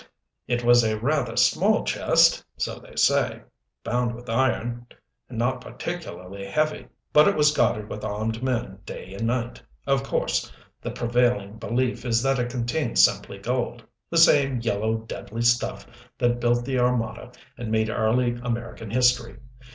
It was a rather small chest, so they say, bound with iron, and not particularly heavy but it was guarded with armed men, day and night. Of course the prevailing belief is that it contained simply gold the same, yellow, deadly stuff that built the Armada and made early American history.